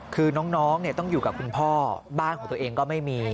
คือน้องต้องอยู่กับคุณพ่อบ้านของตัวเองก็ไม่มี